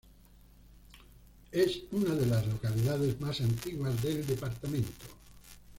Es una de las localidades más antiguas del departamento.